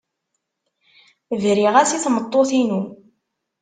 Briɣ-as i tmeṭṭut-inu.